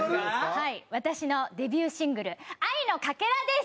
私のデビューシングル「愛のかけら」です！